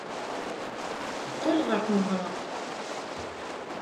Teqqel ɣer tmeɣra.